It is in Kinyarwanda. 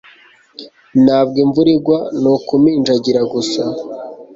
Ntabwo imvura igwa. Ni ukuminjagira gusa